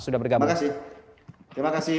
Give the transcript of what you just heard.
sudah bergabung terima kasih terima kasih